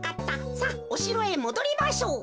さあおしろへもどりましょう。